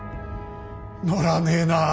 乗らねえなあ。